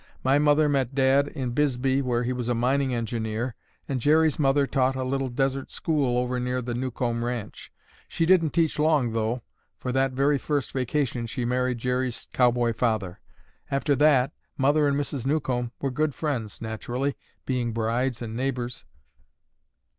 My mother met Dad in Bisbee where he was a mining engineer, and Jerry's mother taught a little desert school over near the Newcomb ranch. She didn't teach long though, for that very first vacation she married Jerry's cowboy father. After that Mother and Mrs. Newcomb were good friends, naturally, being brides and neighbors."